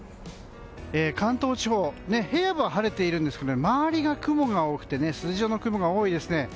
関東地方平野部は晴れているんですが周りが雲が多くて筋状の雲が多いですね。